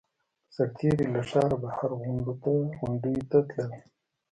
سرتېري له ښاره بهر غونډیو ته تلل.